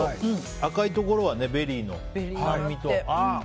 赤いところはベリーの甘みと。